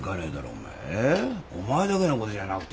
お前だけのことじゃなくてよ